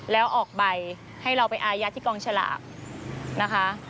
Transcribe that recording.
แล้วออกใบให้เราไปอายัดที่กองฉลากนะคะ